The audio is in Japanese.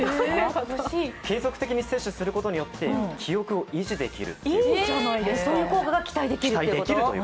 継続的に摂取することによって、記憶を維持できるという。